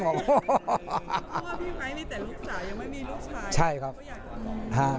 เพราะว่าพี่ไม้นี่แต่ลูกจ่ายยังไม่มีลูกชาย